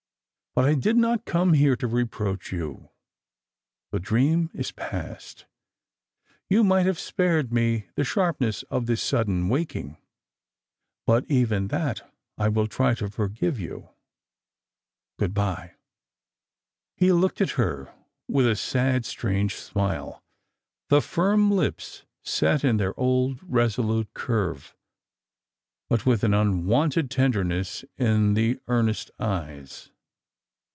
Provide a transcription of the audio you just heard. But I did not come here to reproach you. The dream is past. You might have spared me the sharpness of this sudden waking ; but even that I will try to forgive you. Good bye." He looked at her with a sad strange smile, the firm lips set in their old resolute curve, but with an unwonted tenderness in the earnest eyes.